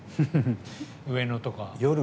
上野とか。